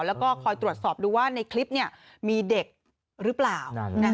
แล้วก็คอยตรวจสอบดูว่าในคลิปมีเด็กหรือเปล่า